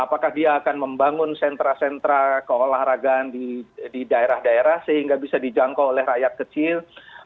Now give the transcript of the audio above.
apakah dia akan membangun sentra sentra keolahragaan di daerah daerah sehingga bisa dijangkau oleh rakyat kecil